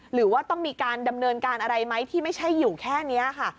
หรือว่าต้องมีการดำเนินการอะไรไหมที่ไม่ใช่อยู่แค่นี้ค่ะ